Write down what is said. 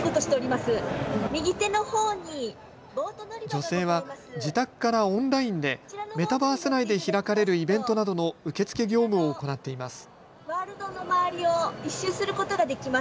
女性は自宅からオンラインでメタバース内で開かれるイベントなどの受付業務を行っています。